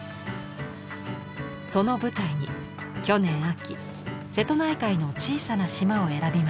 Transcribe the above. その舞台に去年秋瀬戸内海の小さな島を選びました。